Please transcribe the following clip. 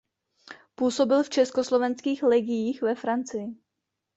Působil v Československých legiích ve Francii.